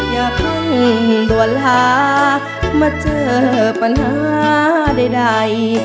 อย่าเพิ่งด่วนลามาเจอปัญหาใด